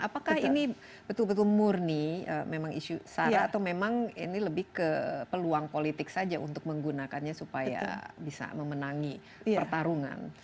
apakah ini betul betul murni memang isu sara atau memang ini lebih ke peluang politik saja untuk menggunakannya supaya bisa memenangi pertarungan